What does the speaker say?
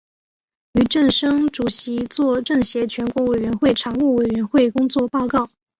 俞正声主席作政协全国委员会常务委员会工作报告。